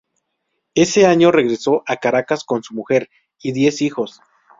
Ese año regresó a Caracas con su mujer y diez hijos.